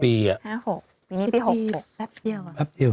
ปีนี้ปี๖น้อย